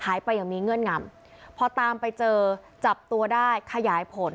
ไปอย่างมีเงื่อนงำพอตามไปเจอจับตัวได้ขยายผล